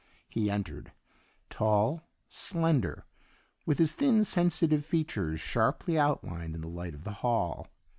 He entered, tall, slender, with his thin sensitive features sharply outlined in the light of the hall.